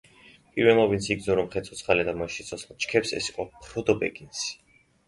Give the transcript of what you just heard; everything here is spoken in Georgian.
პირველმა ვინც იგრძნო, რომ ხე ცოცხალია და მასში სიცოცხლე ჩქეფს, ეს იყო ფროდო ბეგინსი.